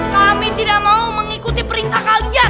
kami tidak mau mengikuti perintah kalja